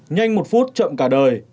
nhanh một phút chậm cả đời